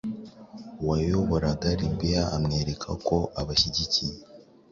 wayoboraga Libya, amwereka ko abashyigikiye.